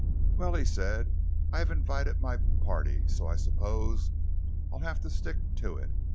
"Well," he said, "I've invited my party so I suppose I'll have to stick to it.